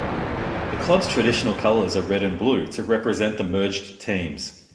The club's traditional colours are red and blue, to represent the merged teams.